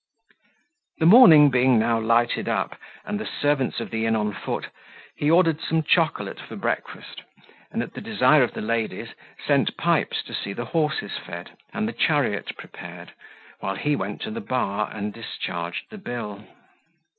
The morning being now lighted up, and the servants of the inn on foot, he ordered some chocolate for breakfast, and at the desire of the ladies, sent Pipes to see the horses fed, and the chariot prepared, while he went to the bar, and discharged the bill.